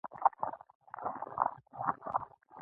مایوسۍ کې مې اسرې درته راوړي